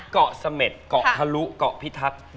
เกาะเสม็ดเกาะทะลุเกาะพิทักษ์